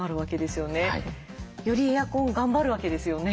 よりエアコン頑張るわけですよね？